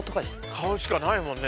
顔しかないもんね。